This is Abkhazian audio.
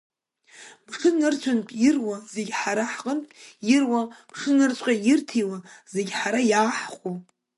Мшыннырцәынтә ирауа зегьы ҳара ҳҟынтә ирауа, мшыннырцәҟа ирҭиуа зегьы ҳара иааҳхәо!